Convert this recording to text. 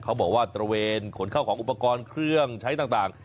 เขาบอกว่าตระเวนขนเข้าของอุปกรณ์เครื่องใช้ต่าง